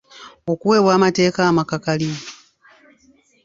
okuweebwa amateeka amakakali